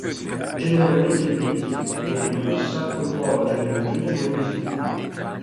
Generalmente ellittiche, nere in massa, con poro germinativo ben visibile.